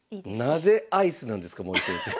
なぜアイスなんですか森先生。